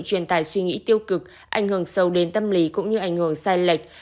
truyền tài suy nghĩ tiêu cực ảnh hưởng sâu đến tâm lý cũng như ảnh hưởng sai lệch